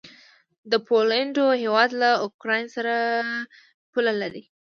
د پولينډ هيواد له یوکراین سره پوله لري.